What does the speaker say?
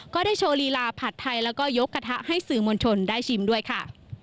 ก็ได้โชว์ลีลาผัดไทยแล้วก็ยกกระทะให้สื่อมวลชนได้ชิมด้วยค่ะ